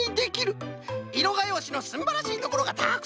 いろがようしのすんばらしいところがたくさんでましたぞい。